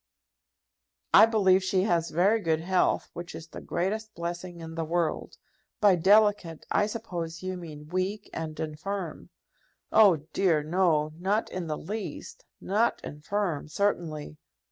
"I believe she has very good health, which is the greatest blessing in the world. By delicate I suppose you mean weak and infirm." "Oh, dear, no, not in the least, not infirm certainly!